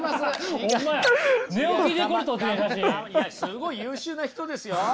いやすごい優秀な人ですよ。